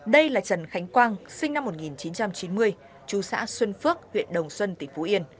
đây là trần khánh quang sinh năm một nghìn chín trăm chín mươi chú xã xuân phước huyện đồng xuân tỉnh phú yên